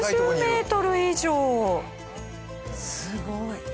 すごい。